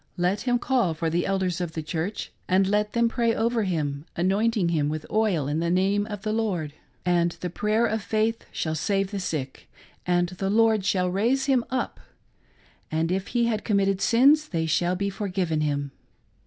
Let him call for the Elders of the Church; and let them pray over him, anointing him with oil in the name of the Lord : and the prayer of faith shall save the sick, and the Lord shall raise him up ; and if he have committed sins, they shall be forgiven him."